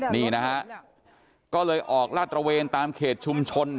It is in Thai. นี่นะฮะก็เลยออกลาดตระเวนตามเขตชุมชน